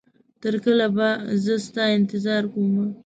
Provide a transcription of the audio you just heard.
تر کله به زه ستا انتظار کومه